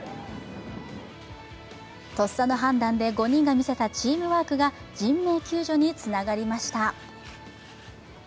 とっさの判断で５人が見せたチームワークが人命救助につながりました。